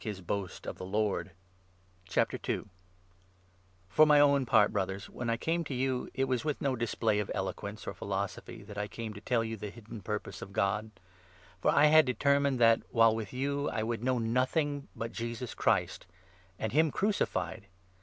811 Philosophy For my own part, Brothers, when I came to i 2 and ' you, it was with no display of eloquence or Revelation, philosophy that I came to tell the hidden purpose of God ; for I had determined that, while with you, I would 2 know nothing but Jesus Christ — and him crucified